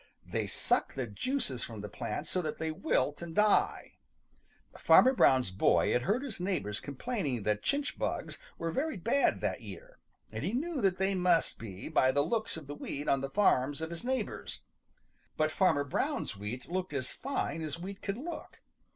They suck the juices from the plants so that they wilt and die. Farmer Brown's boy had heard his neighbors complaining that chinch bugs were very bad that year, and he knew that they must be by the looks of the wheat on the farms of his neighbors. But Farmer Brown's wheat looked as fine as wheat could look.